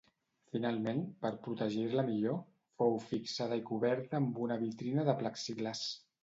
Finalment, per protegir-la millor, fou fixada i coberta amb una vitrina de plexiglàs.